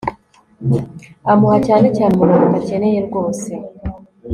amuha cyane cyane umugati akeneye wose